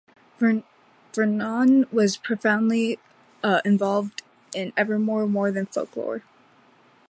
Vernon was profoundly involved in "Evermore" more than "Folklore".